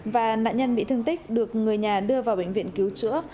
và nạn nhân bị thương tích được người nhà đưa vào bệnh viện cứu chữa